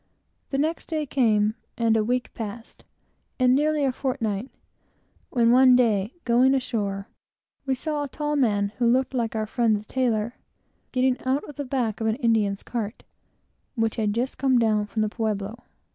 The next day came, and a week passed, and nearly a fortnight, when, one day, going ashore, we saw a tall man, who looked like our friend the tailor, getting out of the back of an Indian's cart, which had just come down from the pueblo.